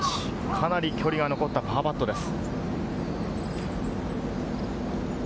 かなり距離が残ったパーパットです。